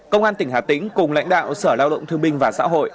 công an tỉnh hà tĩnh cùng lãnh đạo sở lao động thương binh và xã hội